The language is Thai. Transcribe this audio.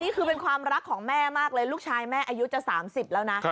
นี่คือเป็นความรักของแม่มากเลยลูกชายแม่อายุจะ๓๐แล้วนะ